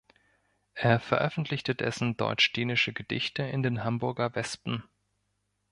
Er veröffentlichte dessen „deutsch-dänische“ Gedichte in den Hamburger Wespen.